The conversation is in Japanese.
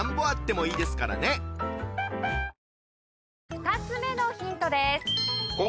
２つ目のヒントです。